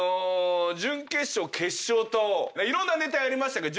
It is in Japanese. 準決勝決勝といろんなネタやりましたけど。